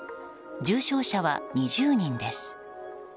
重症者は２０人です。